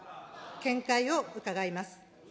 見解を伺います。